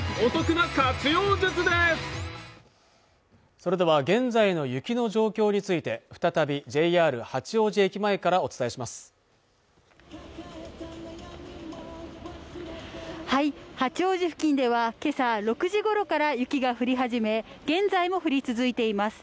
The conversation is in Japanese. それでは現在の雪の状況について再びＪＲ八王子駅前からお伝えします八王子付近ではけさ６時ごろから雪が降り始め現在も降り続いています